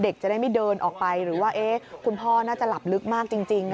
จะได้ไม่เดินออกไปหรือว่าคุณพ่อน่าจะหลับลึกมากจริง